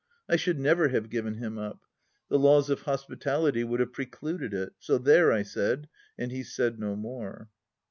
I should never have given him up. The laws of hospitality would have precluded it, so there, I said ; and he said no more.